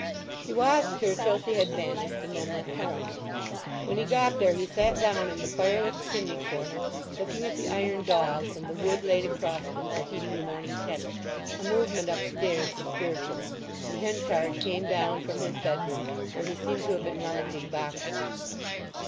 He watched her till she had vanished, and then went home. When he got there he sat down in the fireless chimney corner looking at the iron dogs, and the wood laid across them for heating the morning kettle. A movement upstairs disturbed him, and Henchard came down from his bedroom, where he seemed to have been rummaging boxes.